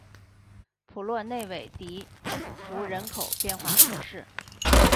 普洛内韦迪福人口变化图示